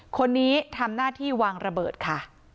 คนนี้ทำหน้าที่วางระเบิดค่ะ